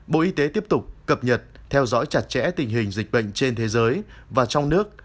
bộ y tế tiếp tục cập nhật theo dõi chặt chẽ tình hình dịch bệnh trên thế giới và trong nước